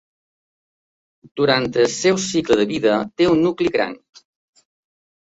Durant el seu cicle de vida té un nucli gran.